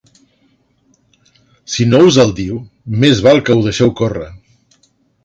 Si no us el diu, més val que ho deixeu córrer.